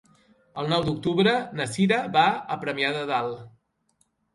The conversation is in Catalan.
El nou d'octubre na Cira va a Premià de Dalt.